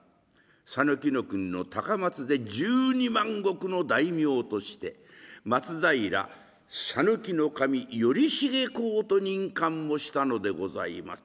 讃岐の国の高松で１２万石の大名として松平讃岐守頼重公と任官をしたのでございます。